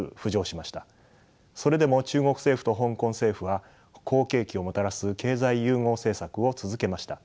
それでも中国政府と香港政府は好景気をもたらす経済融合政策を続けました。